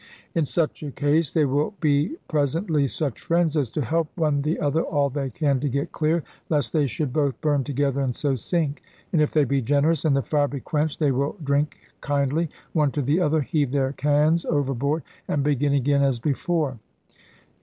In such a case they will bee presentlie such friends as to help one the other all they can to get clear, lest they should both burn together and so si.nk: and, if they be generous, and the fire be quenched, they will drink kindly one to the other, heave their canns over board, and begin again as before.